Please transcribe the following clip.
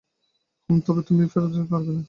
হুম, তবে তুমি এটা ফেরত নিয়ে যেতে পারবে না, ওকে?